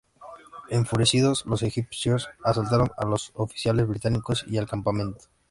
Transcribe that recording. Enfurecidos, los egipcios asaltaron a los oficiales británicos y al campamento.